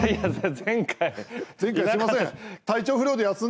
前回、すみません。